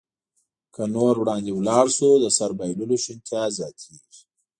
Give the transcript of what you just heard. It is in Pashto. که نور وړاندې ولاړ شو، د سر بایللو شونتیا زیاتېږي.